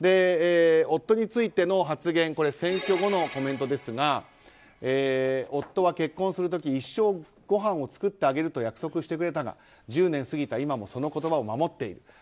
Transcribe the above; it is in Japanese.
夫についての発言選挙後のコメントですが夫は結婚するとき一生ごはんを作ってあげると約束してくれたが１０年過ぎた今もその言葉を守っている。